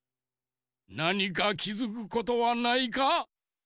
なにかきづくことはないか？